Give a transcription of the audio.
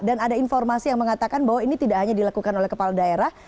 dan ada informasi yang mengatakan bahwa ini tidak hanya dilakukan oleh kepala daerah